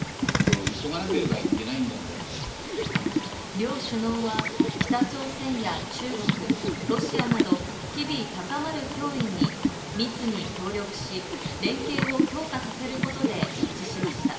両首脳は北朝鮮や中国、ロシアなど、日々高まる脅威に密に協力し、連携を強化させることで一致しました。